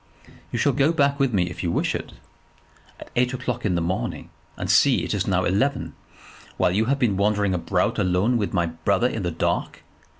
"You shall go back with me if you wish it." "At eight o'clock in the morning, and see, it is now eleven; while you have been wandering about alone with my brother in the dark!